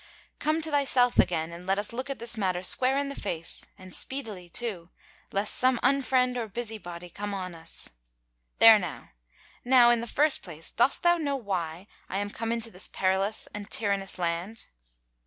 Come to thyself again and let us look at this matter square in the face, and speedily too, lest some unfriend or busybody come on us. There now! Now, in the first place dost thou know why I am come into this perilous and tyrannous land?"